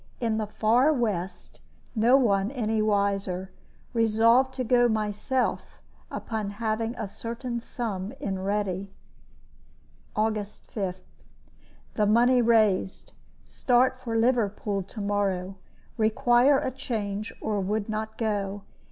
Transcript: In the far West no one any wiser. Resolved to go myself, upon having a certain sum in ready. "August 5. The money raised. Start for Liverpool to morrow. Require a change, or would not go.